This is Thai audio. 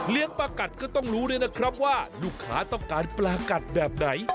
เลี้ยงประกัดก็ต้องรู้เลยนะครับว่าลูกค้าต้องการประกัดแบบไหน